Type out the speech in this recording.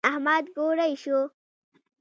احمد ګوړۍ شو.